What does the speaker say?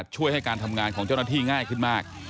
ช่วยให้การทำงานของเจ้าหน้าที่ง่ายขึ้นมาก